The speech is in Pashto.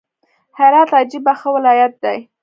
هرات عجبه ښه ولايت دئ!